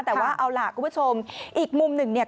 แต่ว่าเอาล่ะคุณผู้ชมอีกมุมหนึ่งเนี่ย